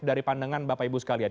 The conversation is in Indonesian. dari pandangan bapak ibu sekalian